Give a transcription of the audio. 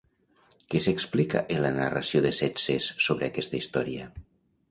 Què s'explica en la narració de Tzetzes sobre aquesta història?